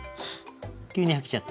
急に飽きちゃった。